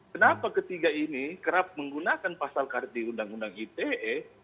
kenapa ketiga ini kerap menggunakan pasal karet di undang undang ite